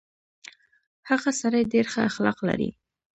هغه سړی ډېر شه اخلاق لري.